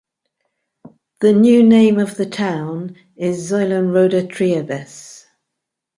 The new name of the town is Zeulenroda-Triebes.